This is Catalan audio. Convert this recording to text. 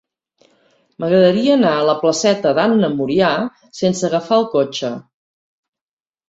M'agradaria anar a la placeta d'Anna Murià sense agafar el cotxe.